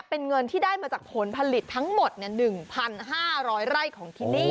เป็นเงินที่ได้มาจากผลผลิตทั้งหมด๑๕๐๐ไร่ของที่นี่